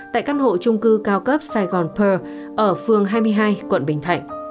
tại căn hộ trung cư cao cấp saigon pearl ở phường hai mươi hai quận bình thạnh